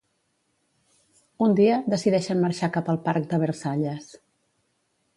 Un dia, decideixen marxar cap al parc de Versalles.